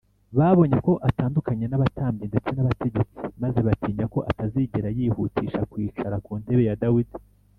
babonye ko atandukanye n’abatambyi ndetse n’abategetsi, maze batinya ko atazigera yihutisha kwicara ku ntebe ya dawidi